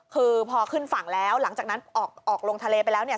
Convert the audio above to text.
คือพอขึ้นฝั่งแล้วหลังจากนั้นออกลงทะเลไปแล้วเนี่ย